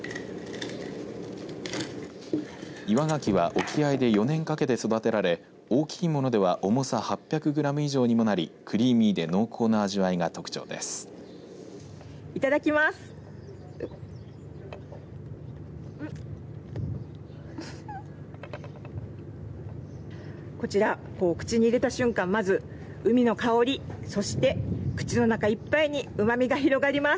岩がきは沖合で４年かけて育てられ大きいものでは重さ８００グラム以上にもなりクリーミーで濃厚な味わいが特徴です。